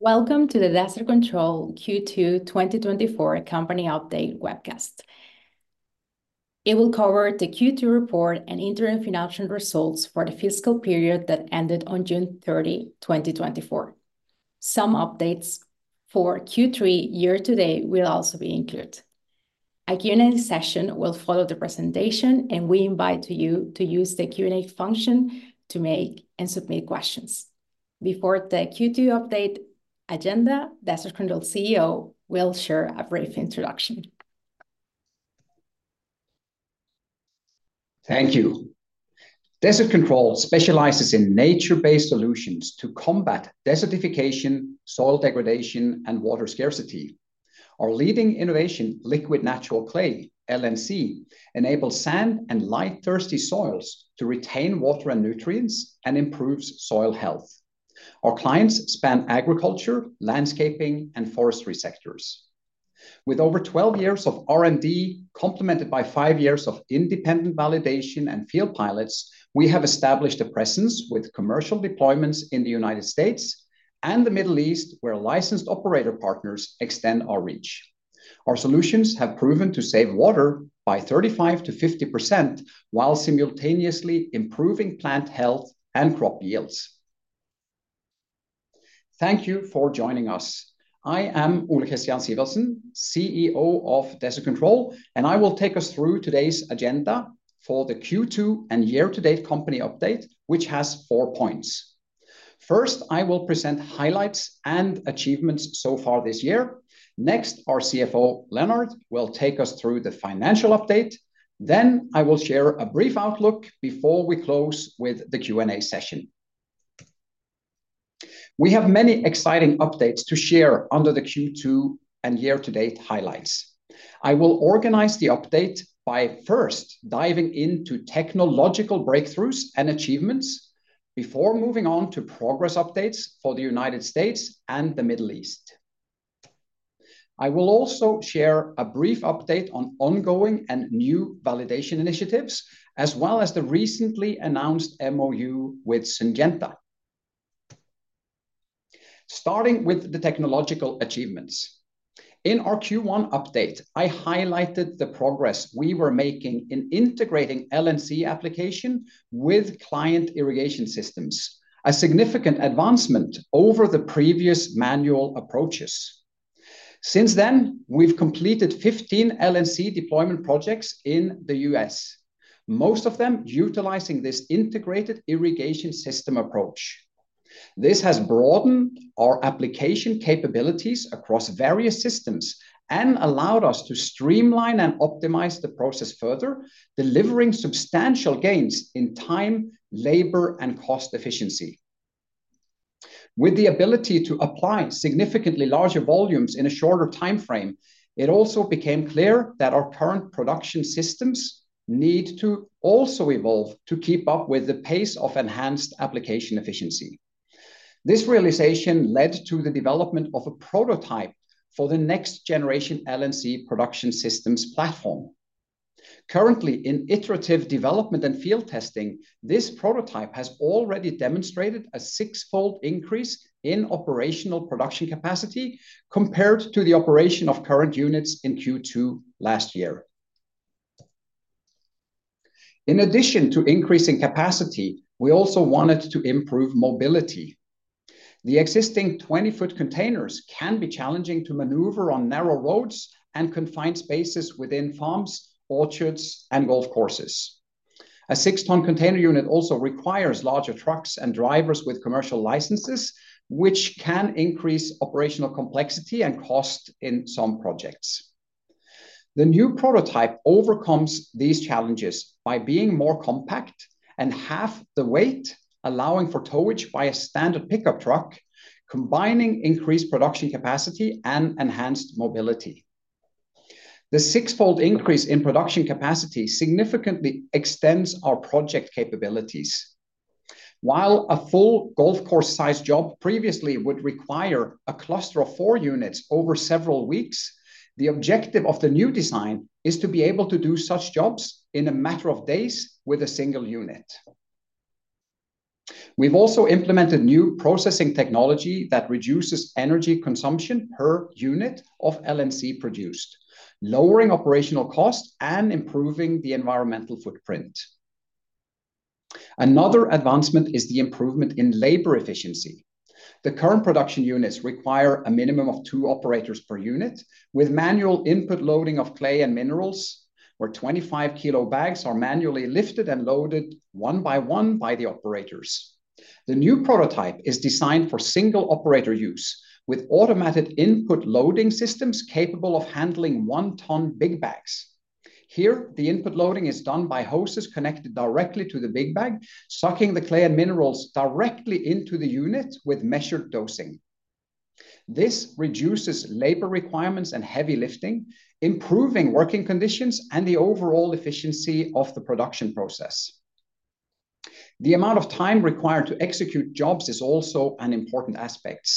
Welcome to the Desert Control Q2 2024 Company Update webcast. It will cover the Q2 report and interim financial results for the fiscal period that ended on June 30, 2024. Some updates for Q3 year-to-date will also be included. A Q&A session will follow the presentation, and we invite you to use the Q&A function to make and submit questions. Before the Q2 update agenda, Desert Control CEO will share a brief introduction. Thank you. Desert Control specializes in nature-based solutions to combat desertification, soil degradation, and water scarcity. Our leading innovation, Liquid Natural Clay, LNC, enables sand and light-thirsty soils to retain water and nutrients and improves soil health. Our clients span agriculture, landscaping, and forestry sectors. With over twelve years of R&D, complemented by five years of independent validation and field pilots, we have established a presence with commercial deployments in the United States and the Middle East, where licensed operator partners extend our reach. Our solutions have proven to save water by 35%-50%, while simultaneously improving plant health and crop yields. Thank you for joining us. I am Ole Kristian Sivertsen, CEO of Desert Control, and I will take us through today's agenda for the Q2 and year-to-date company update, which has four points. First, I will present highlights and achievements so far this year. Next, our CFO, Leonard, will take us through the financial update. Then I will share a brief outlook before we close with the Q&A session. We have many exciting updates to share under the Q2 and year-to-date highlights. I will organize the update by first diving into technological breakthroughs and achievements before moving on to progress updates for the United States and the Middle East. I will also share a brief update on ongoing and new validation initiatives, as well as the recently announced MOU with Syngenta. Starting with the technological achievements. In our Q1 update, I highlighted the progress we were making in integrating LNC application with client irrigation systems, a significant advancement over the previous manual approaches. Since then, we've completed 15 LNC deployment projects in the U.S., most of them utilizing this integrated irrigation system approach. This has broadened our application capabilities across various systems and allowed us to streamline and optimize the process further, delivering substantial gains in time, labor, and cost efficiency. With the ability to apply significantly larger volumes in a shorter timeframe, it also became clear that our current production systems need to also evolve to keep up with the pace of enhanced application efficiency. This realization led to the development of a prototype for the next generation LNC production systems platform. Currently, in iterative development and field testing, this prototype has already demonstrated a six-fold increase in operational production capacity compared to the operation of current units in Q2 last year. In addition to increasing capacity, we also wanted to improve mobility. The existing twenty-foot containers can be challenging to maneuver on narrow roads and confined spaces within farms, orchards, and golf courses. A six-ton container unit also requires larger trucks and drivers with commercial licenses, which can increase operational complexity and cost in some projects. The new prototype overcomes these challenges by being more compact and half the weight, allowing for towage by a standard pickup truck, combining increased production capacity and enhanced mobility. The six-fold increase in production capacity significantly extends our project capabilities. While a full golf course-sized job previously would require a cluster of four units over several weeks, the objective of the new design is to be able to do such jobs in a matter of days with a single unit. We've also implemented new processing technology that reduces energy consumption per unit of LNC produced, lowering operational cost and improving the environmental footprint. Another advancement is the improvement in labor efficiency. The current production units require a minimum of two operators per unit, with manual input loading of clay and minerals, where 25-kilo bags are manually lifted and loaded one by one by the operators. The new prototype is designed for single operator use, with automated input loading systems capable of handling 1-ton big bags. Here, the input loading is done by hoses connected directly to the big bag, sucking the clay and minerals directly into the unit with measured dosing. This reduces labor requirements and heavy lifting, improving working conditions and the overall efficiency of the production process. The amount of time required to execute jobs is also an important aspect.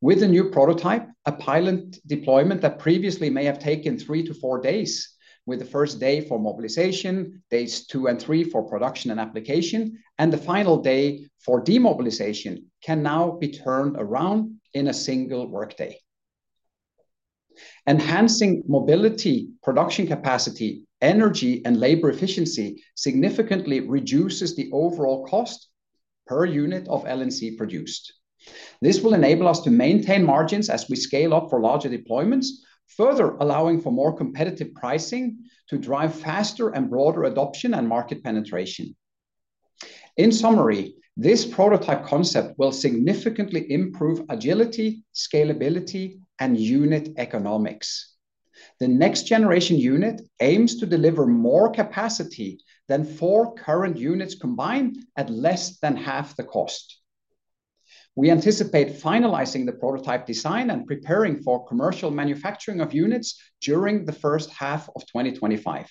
With the new prototype, a pilot deployment that previously may have taken three to four days, with the first day for mobilization, days two and three for production and application, and the final day for demobilization, can now be turned around in a single workday. Enhancing mobility, production capacity, energy, and labor efficiency significantly reduces the overall cost per unit of LNC produced. This will enable us to maintain margins as we scale up for larger deployments, further allowing for more competitive pricing to drive faster and broader adoption and market penetration. In summary, this prototype concept will significantly improve agility, scalability, and unit economics. The next generation unit aims to deliver more capacity than four current units combined, at less than half the cost. We anticipate finalizing the prototype design and preparing for commercial manufacturing of units during the first half of 2025.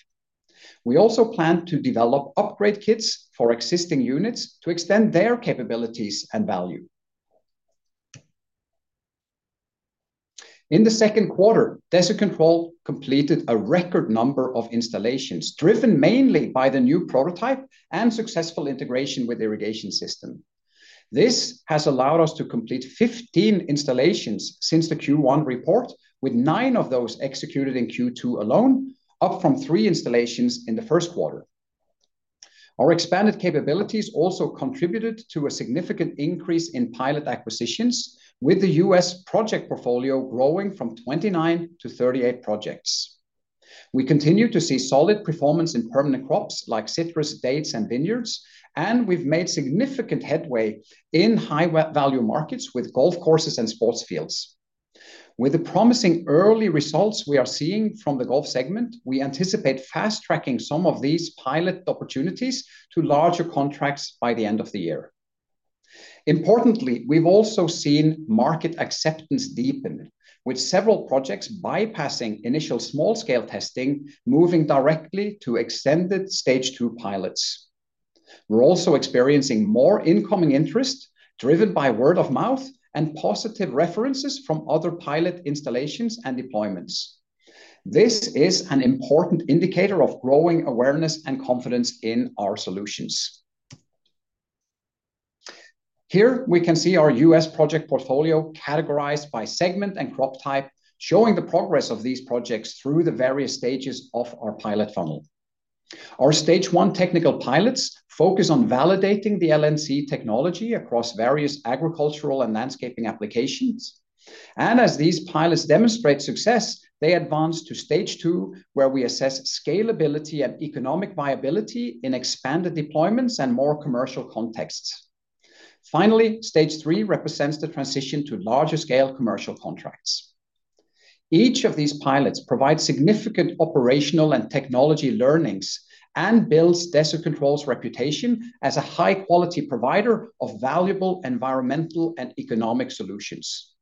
We also plan to develop upgrade kits for existing units to extend their capabilities and value. In the second quarter, Desert Control completed a record number of installations, driven mainly by the new prototype and successful integration with irrigation system. This has allowed us to complete fifteen installations since the Q1 report, with nine of those executed in Q2 alone, up from three installations in the first quarter. Our expanded capabilities also contributed to a significant increase in pilot acquisitions, with the U.S. project portfolio growing from 29-38 projects. We continue to see solid performance in permanent crops like citrus, dates, and vineyards, and we've made significant headway in high-wet value markets with golf courses and sports fields. With the promising early results we are seeing from the golf segment, we anticipate fast-tracking some of these pilot opportunities to larger contracts by the end of the year. Importantly, we've also seen market acceptance deepen, with several projects bypassing initial small-scale testing, moving directly to extended stage two pilots. We're also experiencing more incoming interest, driven by word of mouth and positive references from other pilot installations and deployments. This is an important indicator of growing awareness and confidence in our solutions. Here we can see our U.S. project portfolio categorized by segment and crop type, showing the progress of these projects through the various stages of our pilot funnel. Our stage one technical pilots focus on validating the LNC technology across various agricultural and landscaping applications, and as these pilots demonstrate success, they advance to stage two, where we assess scalability and economic viability in expanded deployments and more commercial contexts. Finally, stage three represents the transition to larger-scale commercial contracts. Each of these pilots provides significant operational and technology learnings, and builds Desert Control's reputation as a high-quality provider of valuable environmental and economic solutions.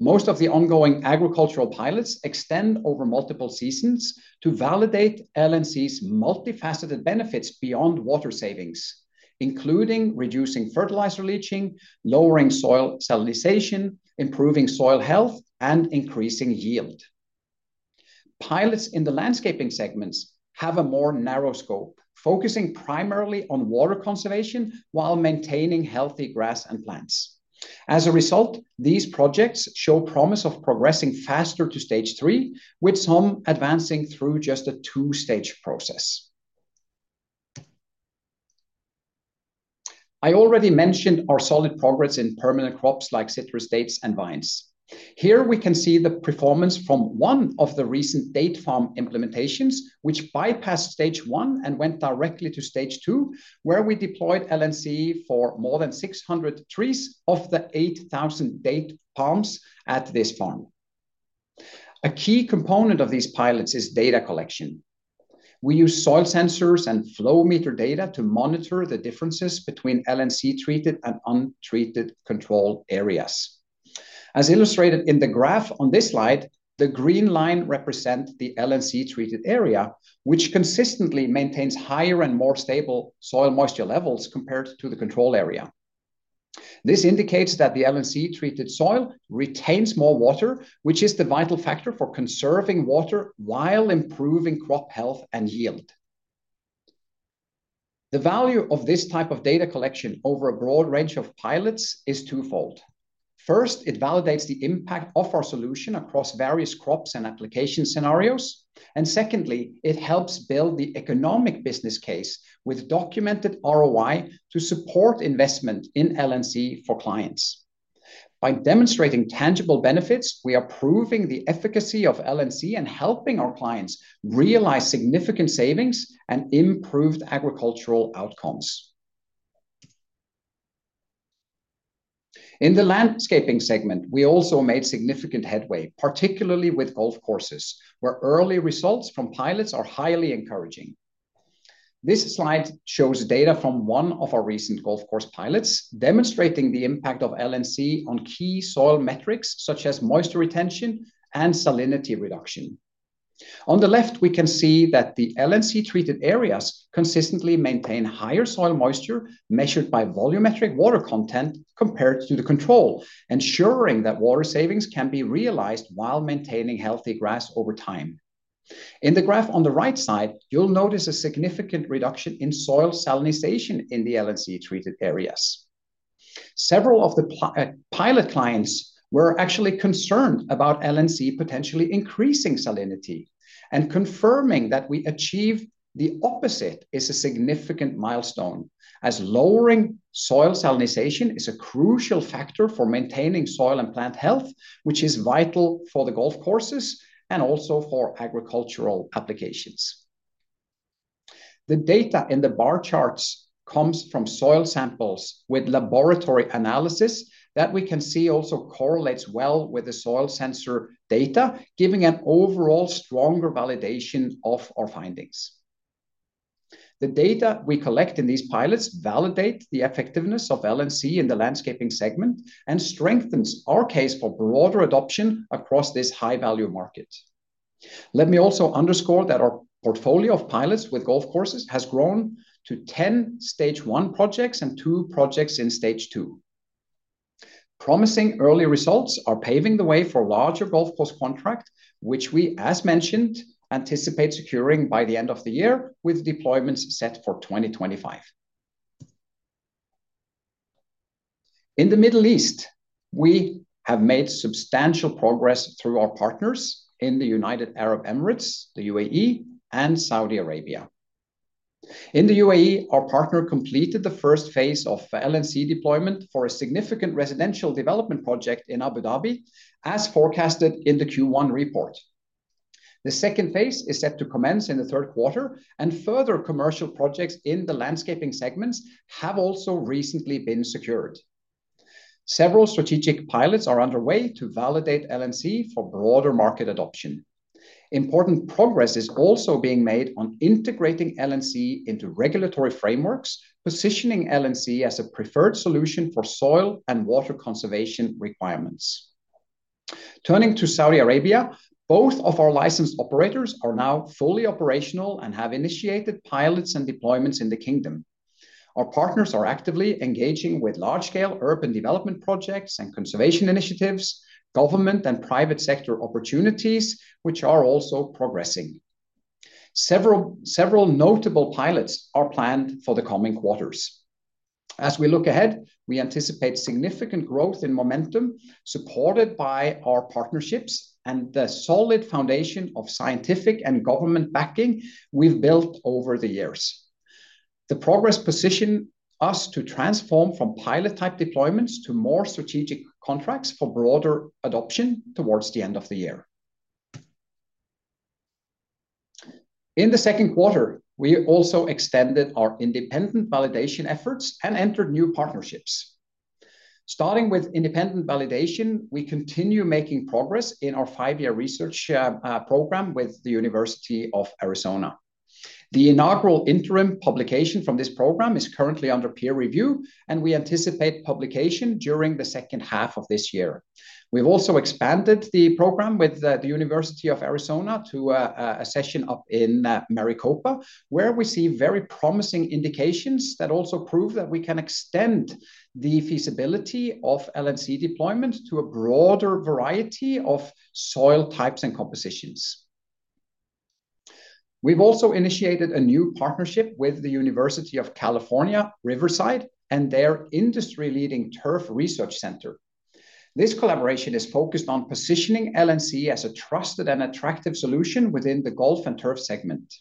Most of the ongoing agricultural pilots extend over multiple seasons to validate LNC's multifaceted benefits beyond water savings, including reducing fertilizer leaching, lowering soil salinization, improving soil health, and increasing yield. Pilots in the landscaping segments have a more narrow scope, focusing primarily on water conservation while maintaining healthy grass and plants. As a result, these projects show promise of progressing faster to stage three, with some advancing through just a two-stage process. I already mentioned our solid progress in permanent crops like citrus, dates, and vines. Here we can see the performance from one of the recent date farm implementations, which bypassed stage one and went directly to stage two, where we deployed LNC for more than six hundred trees of the eight thousand date palms at this farm. A key component of these pilots is data collection. We use soil sensors and flow meter data to monitor the differences between LNC-treated and untreated control areas. As illustrated in the graph on this slide, the green line represent the LNC-treated area, which consistently maintains higher and more stable soil moisture levels compared to the control area. This indicates that the LNC-treated soil retains more water, which is the vital factor for conserving water while improving crop health and yield. The value of this type of data collection over a broad range of pilots is twofold. First, it validates the impact of our solution across various crops and application scenarios, and secondly, it helps build the economic business case with documented ROI to support investment in LNC for clients. By demonstrating tangible benefits, we are proving the efficacy of LNC and helping our clients realize significant savings and improved agricultural outcomes. In the landscaping segment, we also made significant headway, particularly with golf courses, where early results from pilots are highly encouraging. This slide shows data from one of our recent golf course pilots, demonstrating the impact of LNC on key soil metrics, such as moisture retention and salinity reduction. On the left, we can see that the LNC-treated areas consistently maintain higher soil moisture, measured by volumetric water content compared to the control, ensuring that water savings can be realized while maintaining healthy grass over time. In the graph on the right side, you'll notice a significant reduction in soil salinization in the LNC-treated areas. Several of the pilot clients were actually concerned about LNC potentially increasing salinity, and confirming that we achieved the opposite is a significant milestone, as lowering soil salinization is a crucial factor for maintaining soil and plant health, which is vital for the golf courses and also for agricultural applications. The data in the bar charts comes from soil samples with laboratory analysis that we can see also correlates well with the soil sensor data, giving an overall stronger validation of our findings. The data we collect in these pilots validate the effectiveness of LNC in the landscaping segment and strengthens our case for broader adoption across this high-value market. Let me also underscore that our portfolio of pilots with golf courses has grown to ten stage one projects and two projects in stage two. Promising early results are paving the way for larger golf course contract, which we, as mentioned, anticipate securing by the end of the year, with deployments set for 2025. In the Middle East, we have made substantial progress through our partners in the United Arab Emirates, the UAE, and Saudi Arabia. In the UAE, our partner completed the first phase of LNC deployment for a significant residential development project in Abu Dhabi, as forecasted in the Q1 report. The second phase is set to commence in the third quarter, and further commercial projects in the landscaping segments have also recently been secured. Several strategic pilots are underway to validate LNC for broader market adoption. Important progress is also being made on integrating LNC into regulatory frameworks, positioning LNC as a preferred solution for soil and water conservation requirements. Turning to Saudi Arabia, both of our licensed operators are now fully operational and have initiated pilots and deployments in the kingdom. Our partners are actively engaging with large-scale urban development projects and conservation initiatives, government and private sector opportunities, which are also progressing. Several notable pilots are planned for the coming quarters. As we look ahead, we anticipate significant growth in momentum, supported by our partnerships and the solid foundation of scientific and government backing we've built over the years. The progress positions us to transform from pilot-type deployments to more strategic contracts for broader adoption towards the end of the year. In the second quarter, we also extended our independent validation efforts and entered new partnerships. Starting with independent validation, we continue making progress in our five-year research program with the University of Arizona. The inaugural interim publication from this program is currently under peer review, and we anticipate publication during the second half of this year. We've also expanded the program with the University of Arizona to an extension up in Maricopa, where we see very promising indications that also prove that we can extend the feasibility of LNC deployment to a broader variety of soil types and compositions. We've also initiated a new partnership with the University of California, Riverside, and their industry-leading Turf Research Center. This collaboration is focused on positioning LNC as a trusted and attractive solution within the golf and turf segment.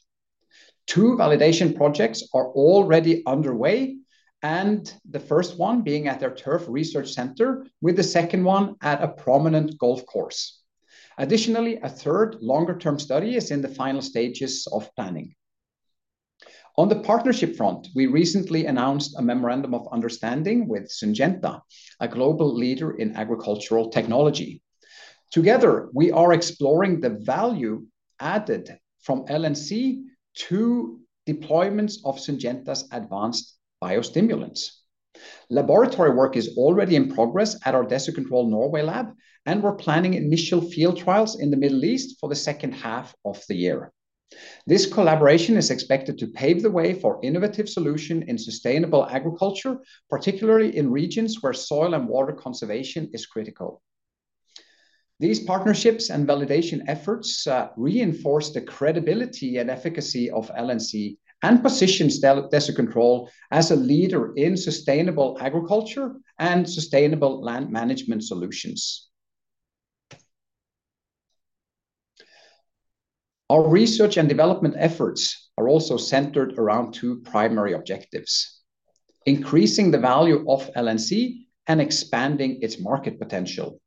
Two validation projects are already underway, and the first one being at their Turf Research Center, with the second one at a prominent golf course. Additionally, a third longer-term study is in the final stages of planning. On the partnership front, we recently announced a memorandum of understanding with Syngenta, a global leader in agricultural technology. Together, we are exploring the value added from LNC to deployments of Syngenta's advanced biostimulants. Laboratory work is already in progress at our Desert Control Norway lab, and we're planning initial field trials in the Middle East for the second half of the year. This collaboration is expected to pave the way for innovative solution in sustainable agriculture, particularly in regions where soil and water conservation is critical. These partnerships and validation efforts reinforce the credibility and efficacy of LNC and positions Desert Control as a leader in sustainable agriculture and sustainable land management solutions. Our research and development efforts are also centered around two primary objectives: increasing the value of LNC and expanding its market potential.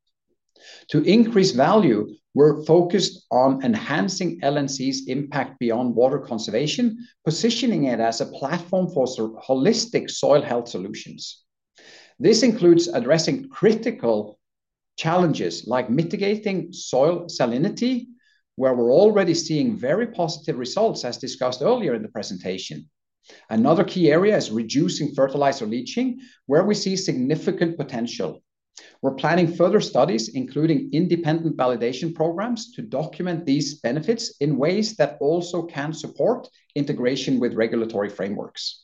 To increase value, we're focused on enhancing LNC's impact beyond water conservation, positioning it as a platform for holistic soil health solutions. This includes addressing critical challenges like mitigating soil salinity, where we're already seeing very positive results, as discussed earlier in the presentation. Another key area is reducing fertilizer leaching, where we see significant potential. We're planning further studies, including independent validation programs, to document these benefits in ways that also can support integration with regulatory frameworks.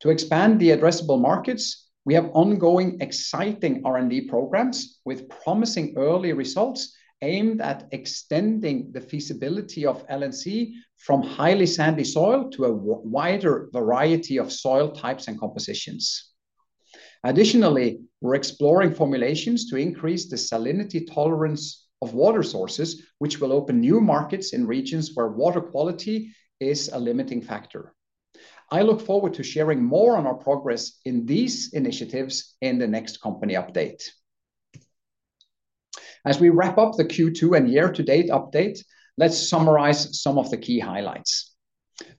To expand the addressable markets, we have ongoing, exciting R&D programs with promising early results aimed at extending the feasibility of LNC from highly sandy soil to a wider variety of soil types and compositions.... Additionally, we're exploring formulations to increase the salinity tolerance of water sources, which will open new markets in regions where water quality is a limiting factor. I look forward to sharing more on our progress in these initiatives in the next company update. As we wrap up the Q2 and year-to-date update, let's summarize some of the key highlights.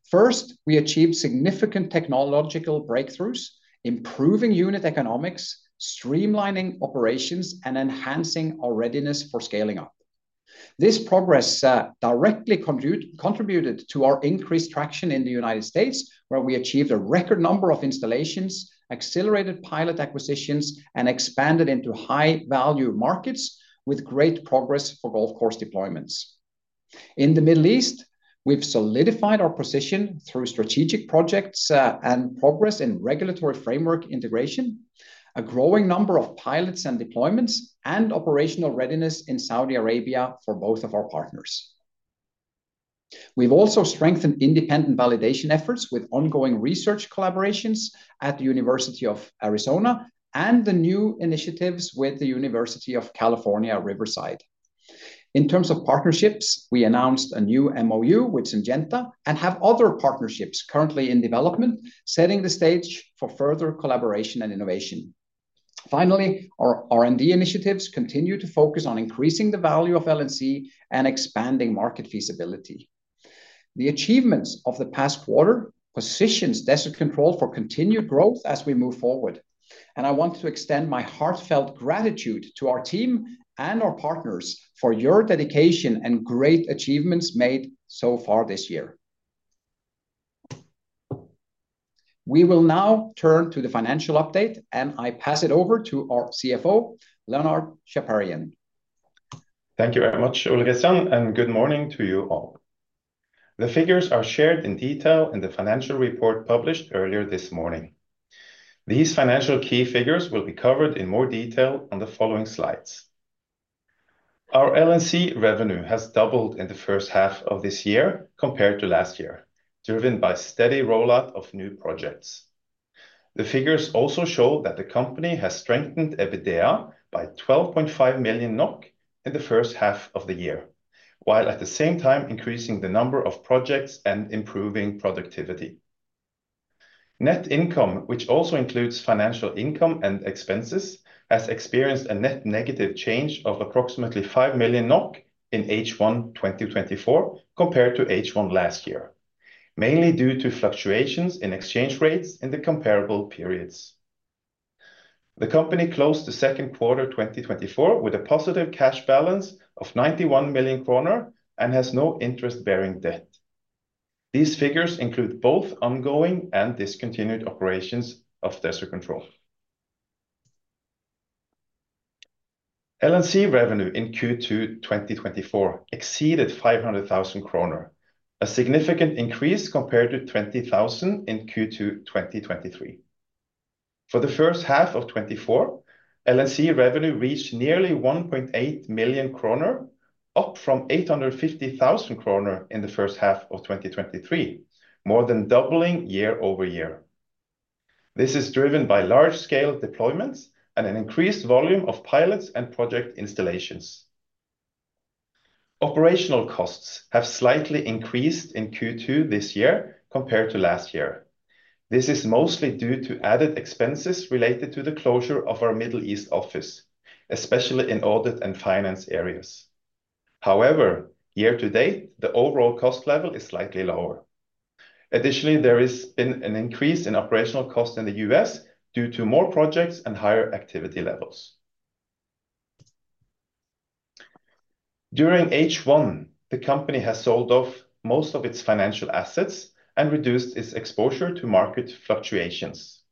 First, we achieved significant technological breakthroughs, improving unit economics, streamlining operations, and enhancing our readiness for scaling up. This progress directly contributed to our increased traction in the United States, where we achieved a record number of installations, accelerated pilot acquisitions, and expanded into high-value markets with great progress for golf course deployments. In the Middle East, we've solidified our position through strategic projects and progress in regulatory framework integration, a growing number of pilots and deployments, and operational readiness in Saudi Arabia for both of our partners. We've also strengthened independent validation efforts with ongoing research collaborations at the University of Arizona and the new initiatives with the University of California, Riverside. In terms of partnerships, we announced a new MoU with Syngenta and have other partnerships currently in development, setting the stage for further collaboration and innovation. Finally, our R&D initiatives continue to focus on increasing the value of LNC and expanding market feasibility. The achievements of the past quarter positions Desert Control for continued growth as we move forward, and I want to extend my heartfelt gratitude to our team and our partners for your dedication and great achievements made so far this year. We will now turn to the financial update, and I pass it over to our CFO, Leonard Chaparian. Thank you very much, Ole Kristian, and good morning to you all. The figures are shared in detail in the financial report published earlier this morning. These financial key figures will be covered in more detail on the following slides. Our LNC revenue has doubled in the first half of this year compared to last year, driven by steady rollout of new projects. The figures also show that the company has strengthened EBITDA by 12.5 million NOK in the first half of the year, while at the same time increasing the number of projects and improving productivity. Net income, which also includes financial income and expenses, has experienced a net negative change of approximately 5 million NOK in H1 2024, compared to H1 last year, mainly due to fluctuations in exchange rates in the comparable periods. The company closed the second quarter, 2024, with a positive cash balance of 91 million kroner and has no interest-bearing debt. These figures include both ongoing and discontinued operations of Desert Control. LNC revenue in Q2 2024 exceeded 500,000 kroner, a significant increase compared to 20,000 in Q2 2023. For the first half of 2024, LNC revenue reached nearly 1.8 million kroner, up from 850,000 kroner in the first half of 2023, more than doubling year over year. This is driven by large-scale deployments and an increased volume of pilots and project installations. Operational costs have slightly increased in Q2 this year compared to last year. This is mostly due to added expenses related to the closure of our Middle East office, especially in audit and finance areas. However, year to date, the overall cost level is slightly lower. Additionally, there has been an increase in operational costs in the U.S. due to more projects and higher activity levels. During H1, the company has sold off most of its financial assets and reduced its exposure to market fluctuations.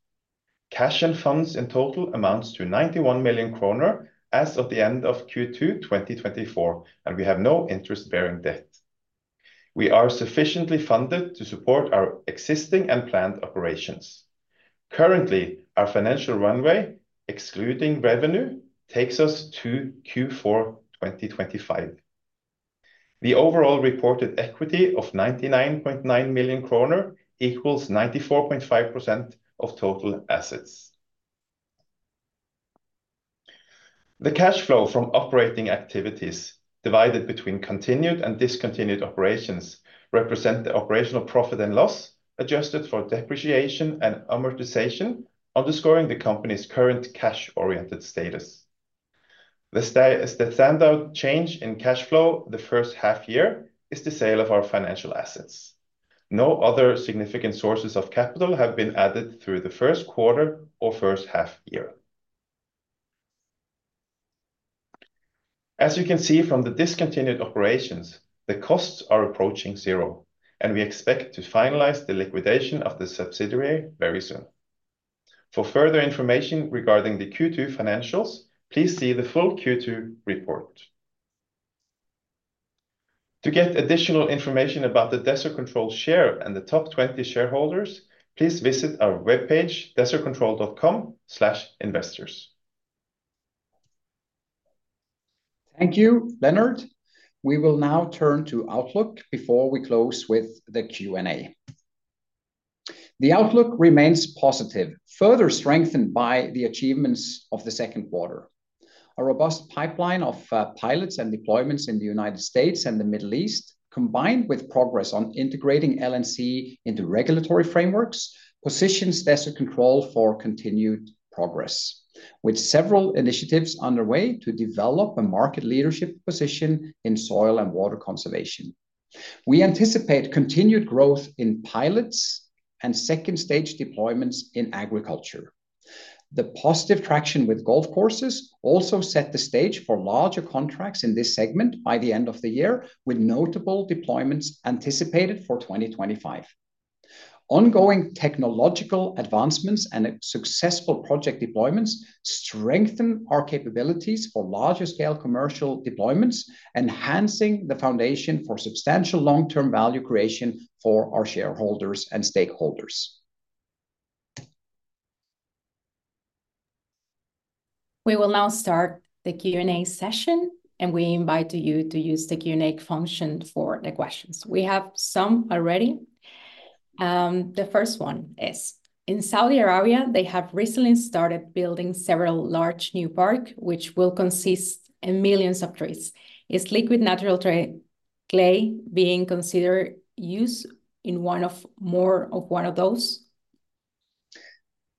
Cash and funds in total amounts to 91 million kroner as of the end of Q2, 2024, and we have no interest-bearing debt. We are sufficiently funded to support our existing and planned operations. Currently, our financial runway, excluding revenue, takes us to Q4, 2025. The overall reported equity of 99.9 million kroner equals 94.5% of total assets. The cash flow from operating activities, divided between continued and discontinued operations, represent the operational profit and loss, adjusted for depreciation and amortization, underscoring the company's current cash-oriented status. The standout change in cash flow the first half year is the sale of our financial assets. No other significant sources of capital have been added through the first quarter or first half year. As you can see from the discontinued operations, the costs are approaching zero, and we expect to finalize the liquidation of the subsidiary very soon. For further information regarding the Q2 financials, please see the full Q2 report. To get additional information about the Desert Control share and the top 20 shareholders, please visit our webpage, desertcontrol.com/investors. Thank you, Leonard. We will now turn to outlook before we close with the Q&A. The outlook remains positive, further strengthened by the achievements of the second quarter. A robust pipeline of pilots and deployments in the United States and the Middle East, combined with progress on integrating LNC into regulatory frameworks, positions Desert Control for continued progress, with several initiatives underway to develop a market leadership position in soil and water conservation. We anticipate continued growth in pilots and second-stage deployments in agriculture. The positive traction with golf courses also set the stage for larger contracts in this segment by the end of the year, with notable deployments anticipated for 2025. Ongoing technological advancements and successful project deployments strengthen our capabilities for larger scale commercial deployments, enhancing the foundation for substantial long-term value creation for our shareholders and stakeholders. We will now start the Q&A session, and we invite you to use the Q&A function for the questions. We have some already. The first one is, in Saudi Arabia, they have recently started building several large new parks, which will consist of millions of trees. Is Liquid Natural Clay being considered for use in one or more of those?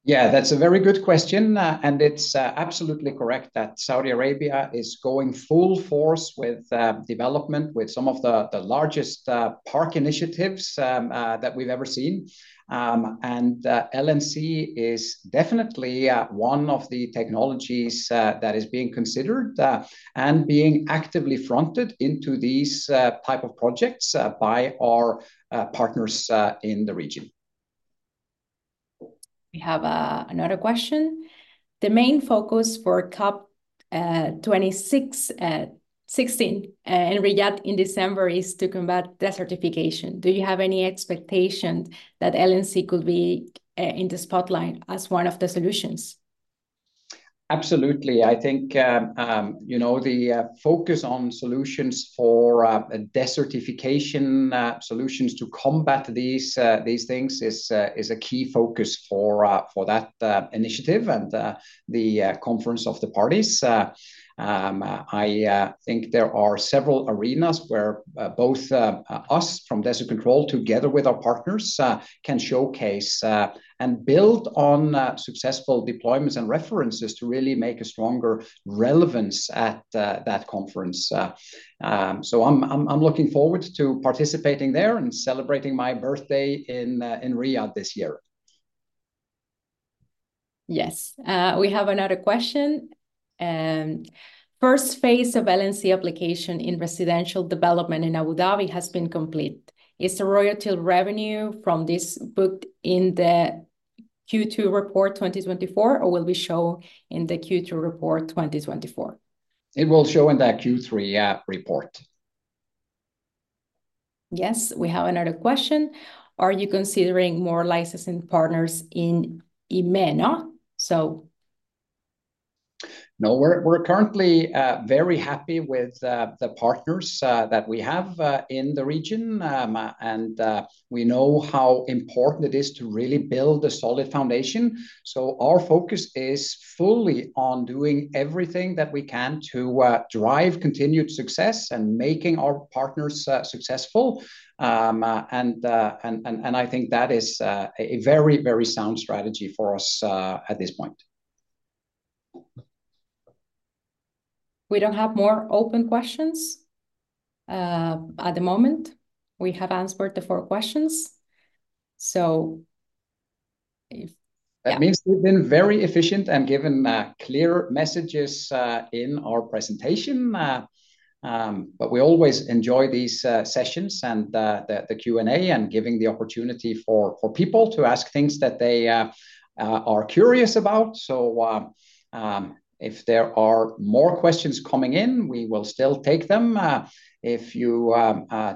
Yeah, that's a very good question, and it's absolutely correct that Saudi Arabia is going full force with development with some of the largest park initiatives that we've ever seen, and LNC is definitely one of the technologies that is being considered and being actively fronted into these type of projects by our partners in the region. We have another question. The main focus for COP16 in Riyadh in December is to combat desertification. Do you have any expectation that LNC could be in the spotlight as one of the solutions? Absolutely. I think, you know, the focus on solutions for desertification, solutions to combat these things is a key focus for that initiative and the Conference of the Parties. I think there are several arenas where both us from Desert Control, together with our partners, can showcase and build on successful deployments and references to really make a stronger relevance at that conference. So I'm looking forward to participating there and celebrating my birthday in Riyadh this year. Yes. We have another question. First phase of LNC application in residential development in Abu Dhabi has been complete. Is the royalty revenue from this booked in the Q2 report 2024, or will we show in the Q2 report 2024? It will show in that Q3, yeah, report. Yes, we have another question. Are you considering more licensing partners in MENA? So- No, we're currently very happy with the partners that we have in the region, and we know how important it is to really build a solid foundation, so our focus is fully on doing everything that we can to drive continued success and making our partners successful, and I think that is a very, very sound strategy for us at this point. We don't have more open questions, at the moment. We have answered the four questions, so if- That means we've been very efficient and given clear messages in our presentation. But we always enjoy these sessions and the Q&A and giving the opportunity for people to ask things that they are curious about. So, if there are more questions coming in, we will still take them. If you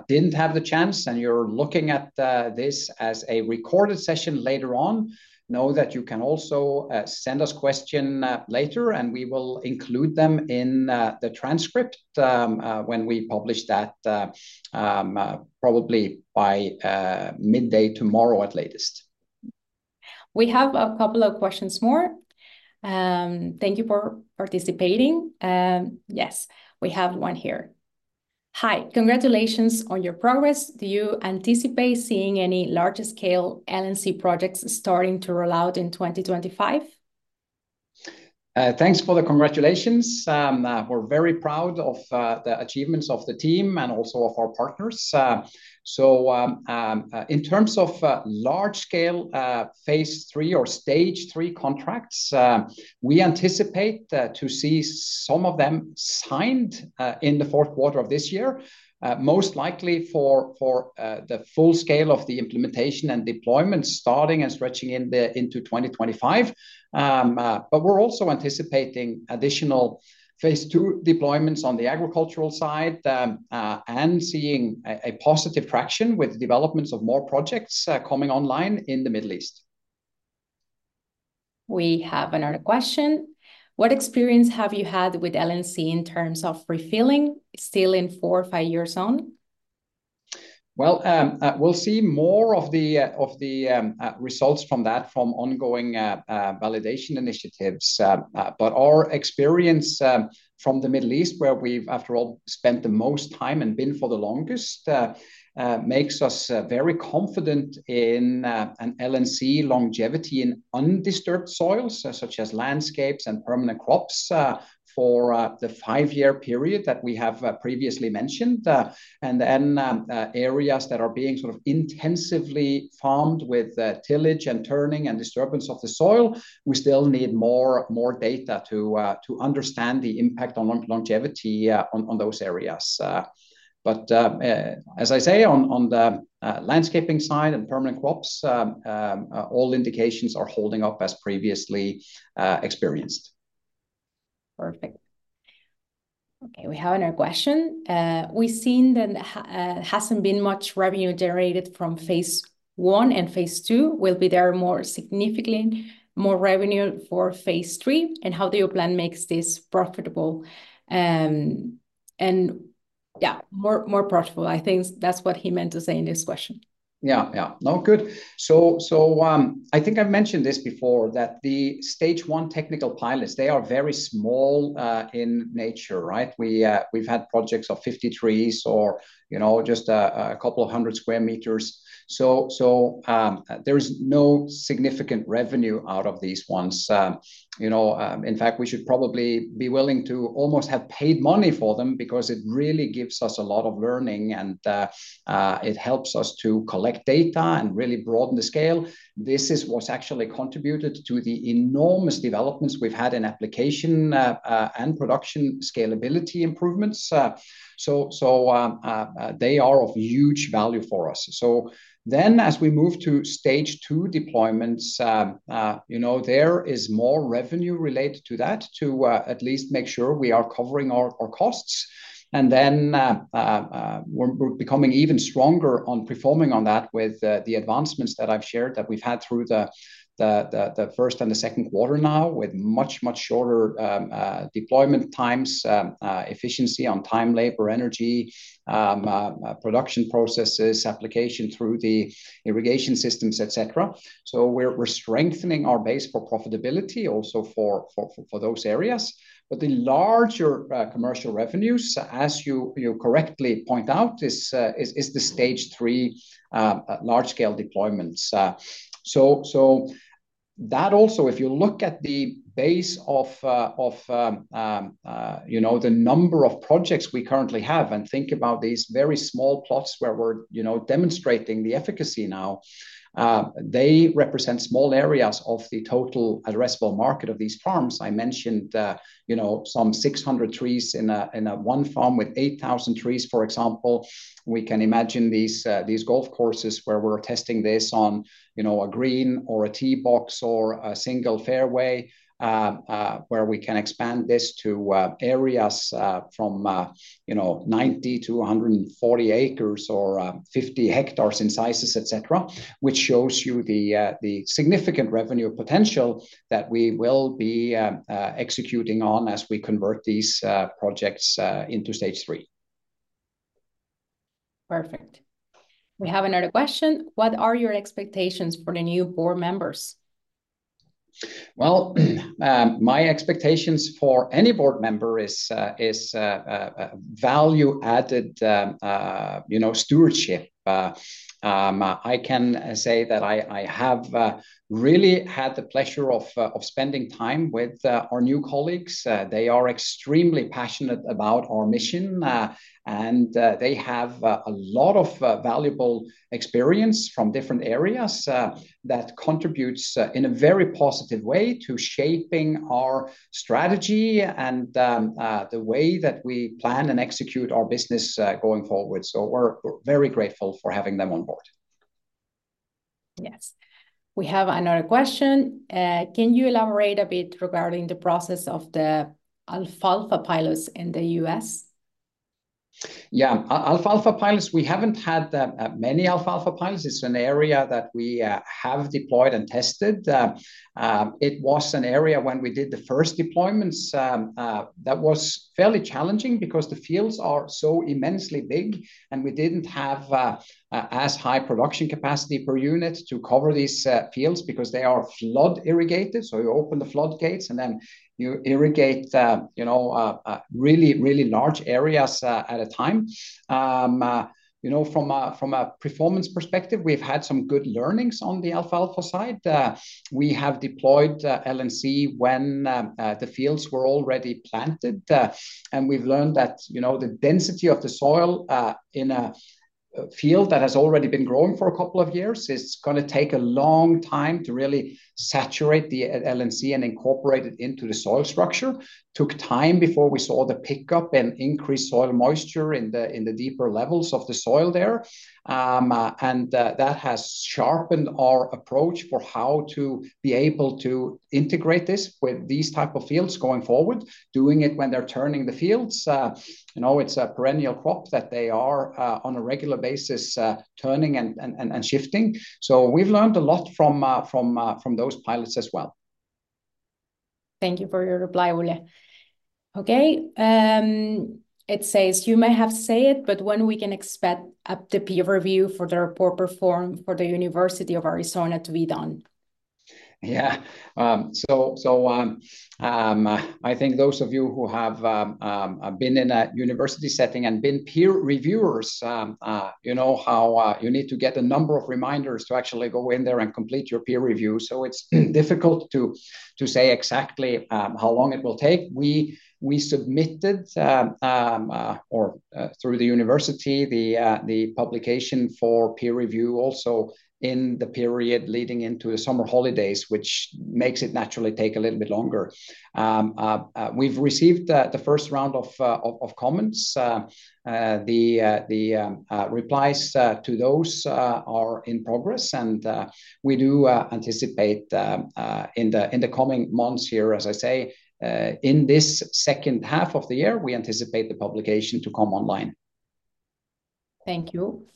didn't have the chance, and you're looking at this as a recorded session later on, know that you can also send us question later, and we will include them in the transcript when we publish that probably by midday tomorrow at latest. We have a couple of questions more. Thank you for participating. Yes, we have one here. Hi, congratulations on your progress. Do you anticipate seeing any larger scale LNC projects starting to roll out in 2025? Thanks for the congratulations. We're very proud of the achievements of the team and also of our partners, so in terms of large-scale phase three or stage three contracts, we anticipate to see some of them signed in the fourth quarter of this year. Most likely for the full scale of the implementation and deployment starting and stretching into 2025, but we're also anticipating additional phase two deployments on the agricultural side, and seeing a positive traction with the developments of more projects coming online in the Middle East We have another question: What experience have you had with LNC in terms of refilling, still in four or five years on? We'll see more of the results from that, from ongoing validation initiatives. But our experience from the Middle East, where we've, after all, spent the most time and been for the longest, makes us very confident in an LNC longevity in undisturbed soils, such as landscapes and permanent crops, for the five-year period that we have previously mentioned. And then, areas that are being sort of intensively farmed with tillage, and turning, and disturbance of the soil, we still need more data to understand the impact on longevity on those areas. But as I say, on the landscaping side and permanent crops, all indications are holding up as previously experienced. Perfect. Okay, we have another question. We've seen that hasn't been much revenue generated from phase one and phase two. Will there be more, significantly more revenue for phase three, and how do you plan to make this profitable? Yeah, more profitable. I think that's what he meant to say in this question. Yeah. Yeah. No, good. So, I think I've mentioned this before, that the stage one technical pilots, they are very small, in nature, right? We've had projects of 50 trees or, you know, just a couple of hundred square meters. So, there's no significant revenue out of these ones. You know, in fact, we should probably be willing to almost have paid money for them because it really gives us a lot of learning, and it helps us to collect data and really broaden the scale. This is what's actually contributed to the enormous developments we've had in application, and production scalability improvements. So, they are of huge value for us. So then as we move to stage two deployments, you know, there is more revenue related to that, to at least make sure we are covering our costs. And then, we're becoming even stronger on performing on that with the advancements that I've shared, that we've had through the first and the second quarter now, with much shorter deployment times, efficiency on time, labor, energy, production processes, application through the irrigation systems, et cetera. So we're strengthening our base for profitability also for those areas. But the larger commercial revenues, as you correctly point out, is the stage three large-scale deployments. So that also, if you look at the base of, of, you know, the number of projects we currently have, and think about these very small plots where we're, you know, demonstrating the efficacy now, they represent small areas of the total addressable market of these farms. I mentioned, you know, some 600 trees in a one farm with 8,000 trees, for example. We can imagine these golf courses where we're testing this on, you know, a green, or a tee box, or a single fairway, where we can expand this to areas from, you know, 90-140 acres or 50 hectares in sizes, et cetera. Which shows you the significant revenue potential that we will be executing on as we convert these projects into stage three. Perfect. We have another question: What are your expectations for the new board members? Well, my expectations for any board member is value-added, you know, stewardship. I can say that I have really had the pleasure of spending time with our new colleagues. They are extremely passionate about our mission, and they have a lot of valuable experience from different areas that contributes in a very positive way to shaping our strategy and the way that we plan and execute our business going forward. So we're very grateful for having them on board. Yes. We have another question. Can you elaborate a bit regarding the process of the alfalfa pilots in the U.S.? Yeah. Alfalfa pilots, we haven't had that many alfalfa pilots. It's an area that we have deployed and tested. It was an area when we did the first deployments that was fairly challenging because the fields are so immensely big, and we didn't have as high production capacity per unit to cover these fields because they are flood irrigated. So you open the flood gates, and then you irrigate, you know, really, really large areas at a time. You know, from a performance perspective, we've had some good learnings on the alfalfa side. We have deployed LNC when the fields were already planted. And we've learned that, you know, the density of the soil in a field that has already been growing for a couple of years. It's gonna take a long time to really saturate the LNC and incorporate it into the soil structure. Took time before we saw the pickup and increased soil moisture in the deeper levels of the soil there. That has sharpened our approach for how to be able to integrate this with these type of fields going forward, doing it when they're turning the fields. You know, it's a perennial crop that they are on a regular basis turning and shifting. So we've learned a lot from those pilots as well. Thank you for your reply, Ole. Okay, it says, "You may have said it, but when we can expect the peer review for the report performed for the University of Arizona to be done? Yeah. So, I think those of you who have been in a university setting and been peer reviewers, you know how you need to get a number of reminders to actually go in there and complete your peer review. So it's difficult to say exactly how long it will take. We submitted through the university the publication for peer review also in the period leading into the summer holidays, which makes it naturally take a little bit longer. We've received the first round of comments. The replies to those are in progress, and we do anticipate in the coming months here, as I say, in this second half of the year, we anticipate the publication to come online. Thank you.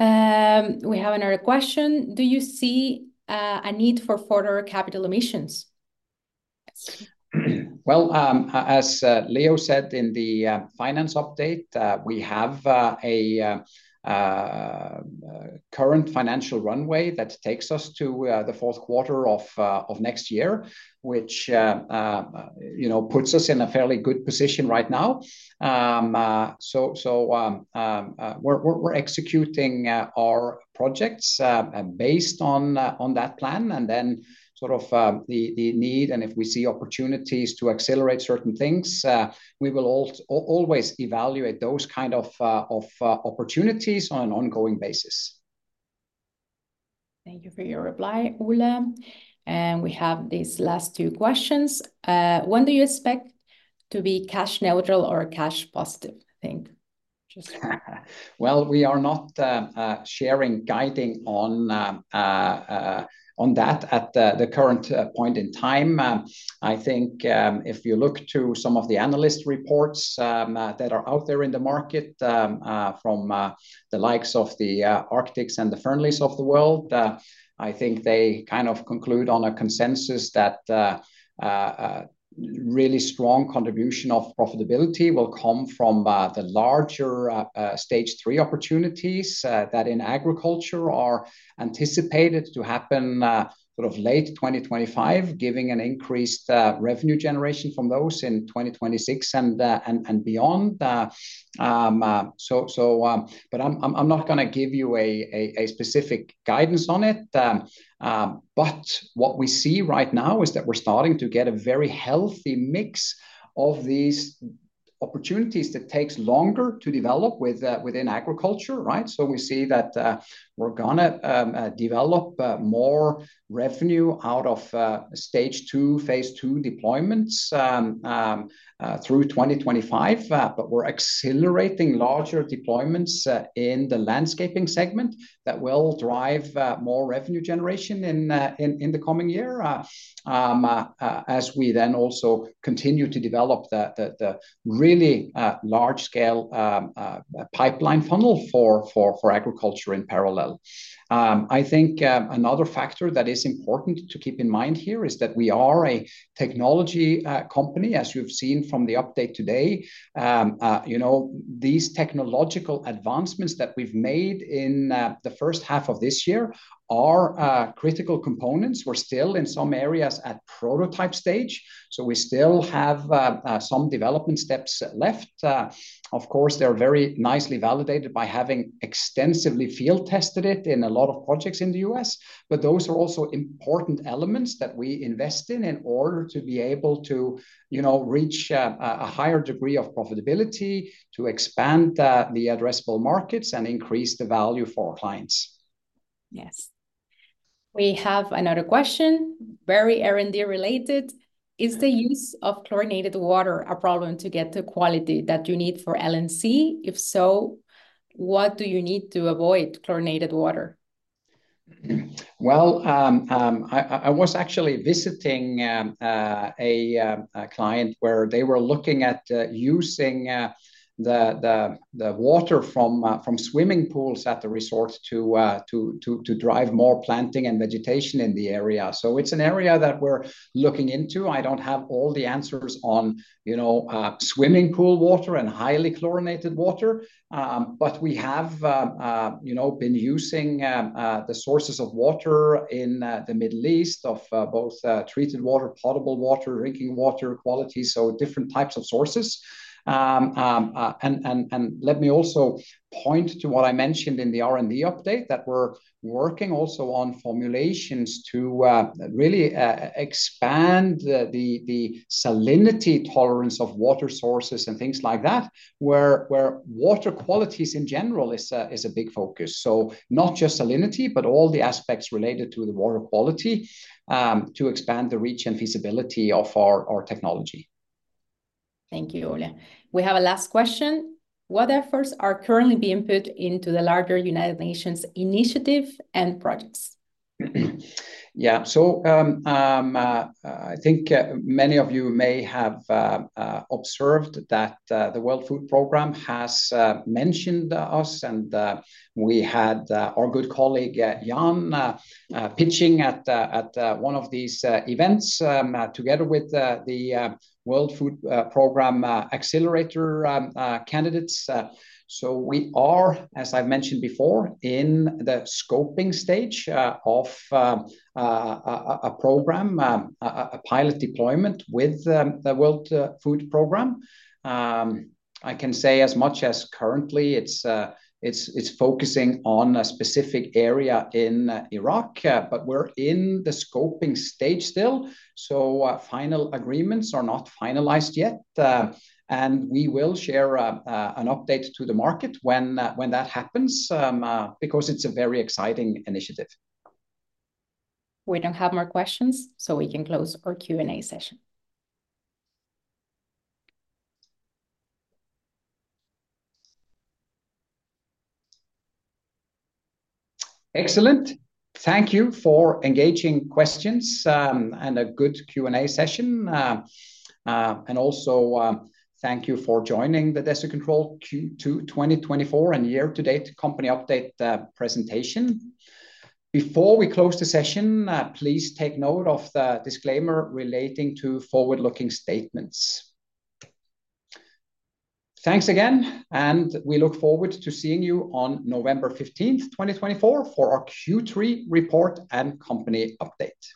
We have another question: Do you see a need for further capital raises? As Leo said in the finance update, we have a current financial runway that takes us to the fourth quarter of next year, which you know puts us in a fairly good position right now. We're executing our projects based on that plan, and then sort of the need, and if we see opportunities to accelerate certain things, we will always evaluate those kind of opportunities on an ongoing basis. Thank you for your reply, Ole. And we have these last two questions. When do you expect to be cash-neutral or cash positive, I think? Just- We are not sharing guidance on that at the current point in time. I think if you look to some of the analyst reports that are out there in the market from the likes of the Arctic and the Fearnleys of the world, I think they kind of conclude on a consensus that really strong contribution of profitability will come from the larger stage three opportunities that in agriculture are anticipated to happen sort of late 2025, giving an increased revenue generation from those in 2026 and beyond. But I'm not gonna give you a specific guidance on it. But what we see right now is that we're starting to get a very healthy mix of these opportunities that takes longer to develop within agriculture, right? So we see that we're gonna develop more revenue out of stage two, phase two deployments through 2025. But we're accelerating larger deployments in the landscaping segment that will drive more revenue generation in the coming year. As we then also continue to develop the really large scale pipeline funnel for agriculture in parallel. I think another factor that is important to keep in mind here is that we are a technology company, as you've seen from the update today. You know, these technological advancements that we've made in the first half of this year are critical components. We're still in some areas at prototype stage, so we still have some development steps left. Of course, they're very nicely validated by having extensively field-tested it in a lot of projects in the U.S., but those are also important elements that we invest in in order to be able to, you know, reach a higher degree of profitability, to expand the addressable markets, and increase the value for our clients. Yes. We have another question, very R&D related: Is the use of chlorinated water a problem to get the quality that you need for LNC? If so, what do you need to avoid chlorinated water? Well, I was actually visiting a client where they were looking at using the water from swimming pools at the resort to drive more planting and vegetation in the area. So it's an area that we're looking into. I don't have all the answers on, you know, swimming pool water and highly chlorinated water. But we have, you know, been using the sources of water in the Middle East of both treated water, potable water, drinking water quality, so different types of sources. Let me also point to what I mentioned in the R&D update, that we're working also on formulations to really expand the salinity tolerance of water sources and things like that, where water qualities in general is a big focus. So not just salinity, but all the aspects related to the water quality, to expand the reach and feasibility of our technology. Thank you, Ole. We have a last question: What efforts are currently being put into the larger United Nations initiative and projects? Yeah, so I think many of you may have observed that the World Food Programme has mentioned us, and we had our good colleague Jan pitching at one of these events together with the World Food Programme accelerator candidates. We are, as I've mentioned before, in the scoping stage of a program, a pilot deployment with the World Food Programme. I can say as much as currently, it's focusing on a specific area in Iraq, but we're in the scoping stage still. Final agreements are not finalized yet. and we will share an update to the market when that happens, because it's a very exciting initiative. We don't have more questions, so we can close our Q&A session. Excellent. Thank you for engaging questions and a good Q&A session. Also, thank you for joining the Desert Control Q2 2024 and year-to-date company update presentation. Before we close the session, please take note of the disclaimer relating to forward-looking statements. Thanks again, and we look forward to seeing you on November 15th, 2024, for our Q3 report and company update.